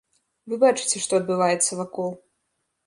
Вы бачыце, што адбываецца вакол.